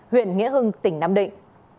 huyện nghĩa hưng tỉnh nam định